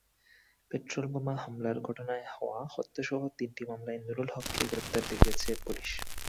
পেট্রলবোমা হামলার ঘটনায় হওয়া হত্যাসহ তিনটি মামলায় নুরুল হককে গ্রেপ্তার দেখিয়েছে পুলিশ।